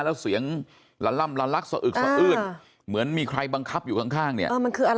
แล้วเสียงละล่ำละลักเราอึ่งเหมือนมีใครบังคับอยู่ข้างเนี่ย